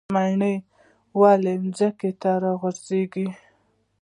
مڼه ولې ځمکې ته راغورځیږي؟